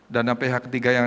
dana ph ketiga yang